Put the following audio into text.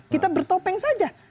kita bertopeng saja